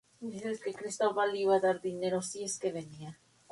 Británico al parecer no se llevaba bien con su nueva familia.